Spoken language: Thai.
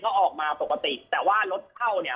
ก็ออกมาปกติแต่ว่ารถเข้าเนี่ย